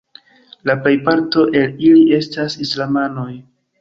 La plejparto el ili estas islamanoj.